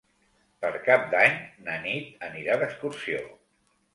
Per Cap d'Any na Nit anirà d'excursió.